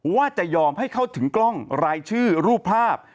ว่าจะยอมให้เข้าถึงกล้องรายชื่อรูปภาพ